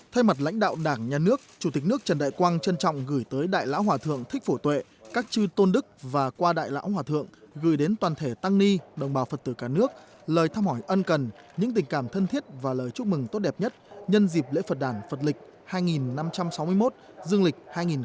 thay mặt lãnh đạo đảng nhà nước chủ tịch nước trần đại quang trân trọng gửi tới đại lão hòa thượng thích phổ tuệ các chư tôn đức và qua đại lão hòa thượng gửi đến toàn thể tăng ni đồng bào phật tử cả nước lời thăm hỏi ân cần những tình cảm thân thiết và lời chúc mừng tốt đẹp nhất nhân dịp lễ phật đàn phật lịch hai năm trăm sáu mươi một dương lịch hai nghìn một mươi chín